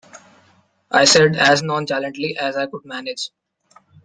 I said, as nonchalantly as I could manage.